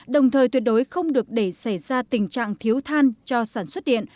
đồng thời tuyệt đối không được để xảy ra tình trạng thiếu than cho sản xuất điện